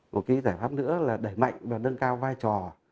một cái giải pháp nữa là đẩy mạnh và nâng cao vai trò